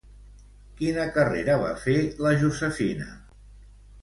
Quina carrera va fer la Josefina?